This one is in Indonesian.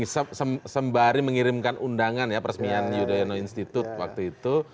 sembari mengirimkan undangan ya peresmian yudhoyono institute waktu itu